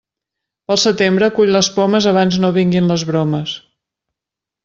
Pel setembre cull les pomes abans no vinguin les bromes.